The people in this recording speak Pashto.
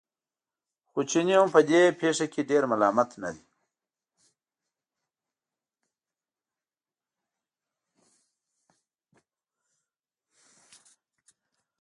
خو چینی هم په دې پېښه کې ډېر ملامت نه دی.